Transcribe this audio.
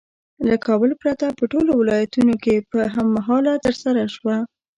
له کابل پرته په ټولو ولایتونو کې په هم مهاله ترسره شوه.